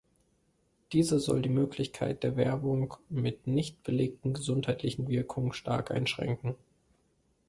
Diese soll die Möglichkeit der Werbung mit nicht belegten gesundheitlichen Wirkungen stark einschränken.